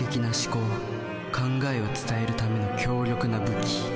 考えを伝えるための強力な武器。